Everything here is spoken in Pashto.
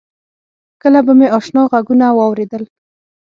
کله به مې آشنا غږونه واورېدل.